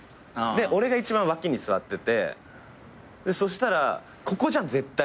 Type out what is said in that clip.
で俺が一番脇に座っててそしたらここじゃん絶対。